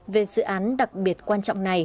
về dự án đặc biệt quan trọng này